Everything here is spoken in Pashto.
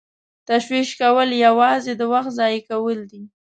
تشویش کول یوازې د وخت ضایع کول دي.